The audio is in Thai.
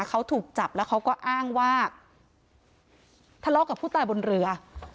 เขาถูกจับแล้วเขาก็อ้างว่าทะเลาะกับผู้ตายบนเรือ